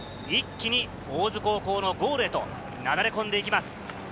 一気に大津高校のゴールへとなだれ込んでいきます。